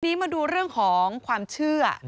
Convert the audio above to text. ทีนี้มาดูเรื่องของความเชื่อ